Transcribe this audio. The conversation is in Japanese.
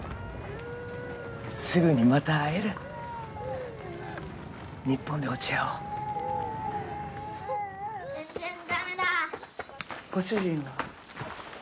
すぐにまた会える日本で落ち合おう全然ダメだご主人は？